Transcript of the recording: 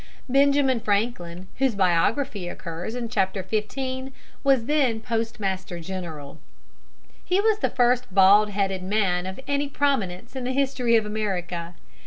Benjamin Franklin, whose biography occurs in Chapter XV., was then Postmaster General. He was the first bald headed man of any prominence in the history of America.